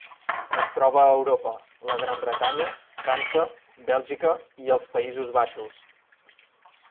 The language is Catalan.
Es troba a Europa: la Gran Bretanya, França, Bèlgica i els Països Baixos.